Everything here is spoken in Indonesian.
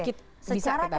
bisa kita punya pertanyaan